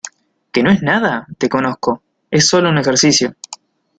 ¿ que no es nada? te conozco. es solo un ejercicio